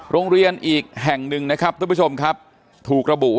โรงเรียนอีกแห่งหนึ่งนะครับทุกผู้ชมครับ